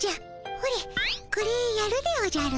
ほれこれやるでおじゃる。